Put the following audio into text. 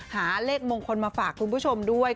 หาเลขบงคลมาฝากวันคลายดีครับ